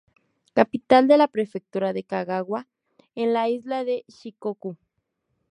Capital de la prefectura de Kagawa, en la isla de Shikoku.